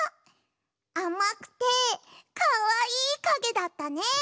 あまくてかわいいかげだったね。